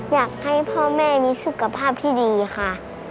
อยากให้พ่อแม่มีสุขภาพที่ดีค่ะ